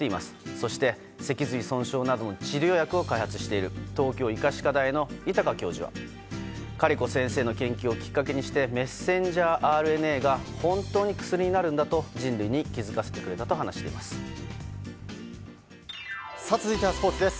そして脊髄損傷などの治療薬を開発している東京医科歯科大の位高教授はカリコ先生の研究をきっかけにしてメッセンジャーＲＮＡが本当に薬になるんだと人類に気づかせてくれたと続いてはスポーツです。